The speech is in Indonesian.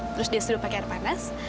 terus dia suruh pakai air panas